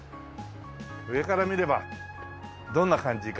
上から見ればどんな感じか。